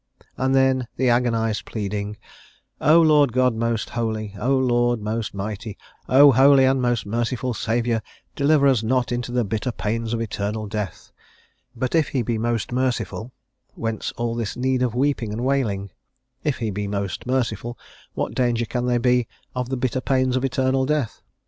And then the agonised pleading: "O Lord God most holy, O Lord most mighty, O holy and most merciful Saviour deliver us not into the bitter pains of eternal death." But if he be most merciful, whence all this need of weeping and wailing? If he be most merciful, what danger can there be of the bitter pains of eternal death?